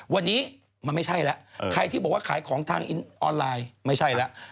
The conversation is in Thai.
วันนี้มันไม่ใช่แล้วใครที่บอกว่าขายของทางออนไลน์ไม่ใช่แล้ว